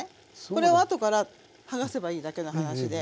これを後からはがせばいいだけの話で。